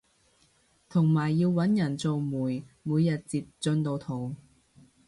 同埋要搵人做媒每日截進度圖